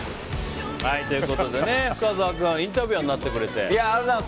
深澤君インタビュアーになってくれて。